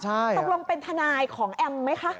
ใช่ค่ะตกลงเป็นธนายของแอมม์ไหมคะ